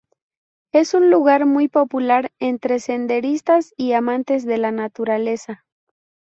Es un lugar muy popular entre senderistas y amantes de la naturaleza.